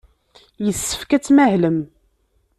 Yessefk ad tmahlem.